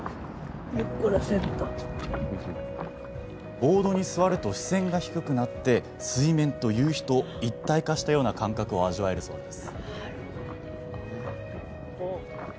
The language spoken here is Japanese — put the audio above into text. ボードに座ると視線が低くなり水面と夕日と一体化したような感覚を味わえるといいます。